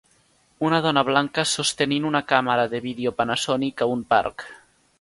Una dona blanca sostenint una càmera de vídeo Panasonic a un parc.